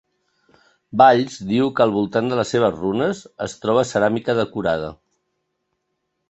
Valls diu que al voltant de les seves runes es troba ceràmica decorada.